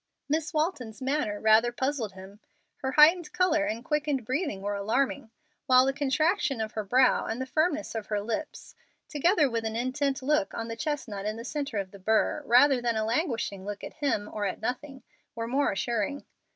Miss Walton's manner rather puzzled him. Her heightened color and quickened breathing were alarming, while the contraction of her brow and the firmness of her lips, together with an intent look on the chestnut in the centre of the burr, rather than a languishing look at him or at nothing, were more assuring.